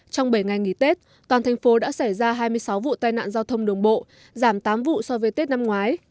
trong bảy ngày nghỉ tết toàn thành phố đã xảy ra hai mươi sáu vụ tai nạn giao thông đường bộ giảm tám vụ so với tết năm ngoái